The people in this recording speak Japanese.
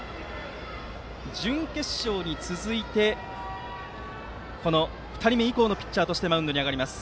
準決勝に続いて２人目以降のピッチャーとしてマウンドに上がります。